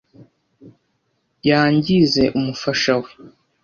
Yangize umufasha we.